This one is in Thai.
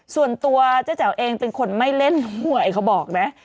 ส่วนตัวเจ๊แจ๋วเองเป็นคนไม่เล่นหวยเขาบอกนะ